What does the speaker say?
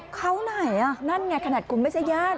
เขาไหนนั่นไงขนาดคุณไม่ใช่ญาติ